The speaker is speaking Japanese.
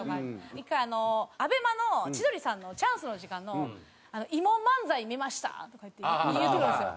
１回ＡＢＥＭＡの千鳥さんの『チャンスの時間』の「慰問漫才見ました」とかって言ってくるんですよ。